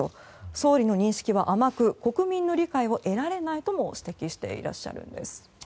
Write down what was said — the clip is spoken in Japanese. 総理の認識は甘く国民の理解を得られないとも指摘していらっしゃいます。